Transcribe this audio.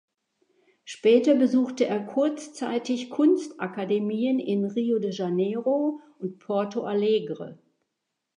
Später besuchte er kurzzeitig Kunstakademien in Rio de Janeiro und Porto Alegre.